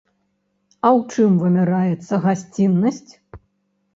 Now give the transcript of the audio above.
А ў чым вымяраецца гасціннасць?